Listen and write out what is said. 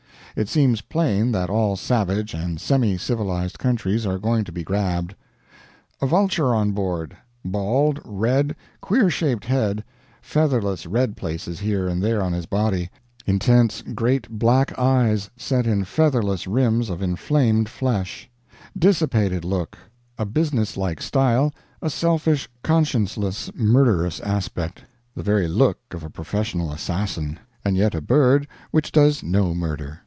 It seems plain that all savage and semi civilized countries are going to be grabbed .... A vulture on board; bald, red, queer shaped head, featherless red places here and there on his body, intense great black eyes set in featherless rims of inflamed flesh; dissipated look; a businesslike style, a selfish, conscienceless, murderous aspect the very look of a professional assassin, and yet a bird which does no murder.